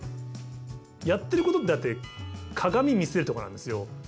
やってることってだって鏡見せるところなんですよ。